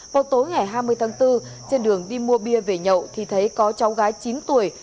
vào tối ngày hai mươi tháng bốn trên đường đi mua bia về nhậu thì thấy có cháu gái chín tuổi